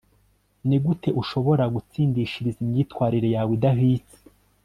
nigute ushobora gutsindishiriza imyitwarire yawe idahwitse